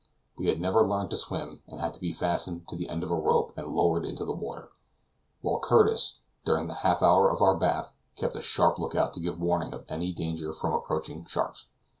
We had never learned to swim, and had to be fastened to the end of a rope and lowered into the water, while Curtis, during the half hour of our bath, kept a sharp lookout to give warning of any danger from approaching sharks.